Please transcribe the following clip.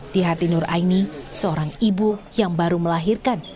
di hati nur aini seorang ibu yang baru melahirkan